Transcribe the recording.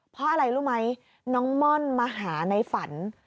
เพราะอะไรรู้ไหมน้องม่อนมาหาในฝัน